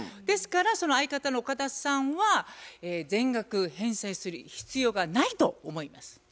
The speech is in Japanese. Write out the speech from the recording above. ですからその相方の岡田さんは全額返済する必要がないと思います。